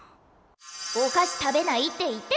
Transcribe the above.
お菓子食べないって言ってたのに。